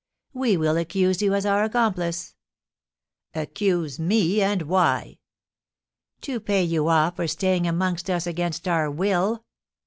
"We will accuse you as our accomplice." "Accuse me! And why?" "To pay you off for staying amongst us against our will."